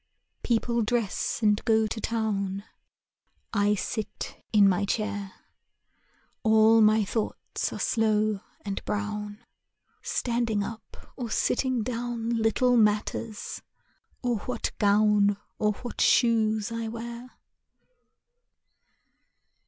People dress and go to town; I sit in my chair. All my thoughts are slow and brown: Standing up or sitting down Little matters, or what gown Or what shoes I wear.